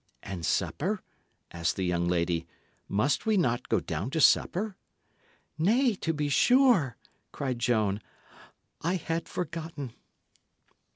"And supper?" asked the young lady. "Must we not go down to supper?" "Nay, to be sure!" cried Joan. "I had forgotten."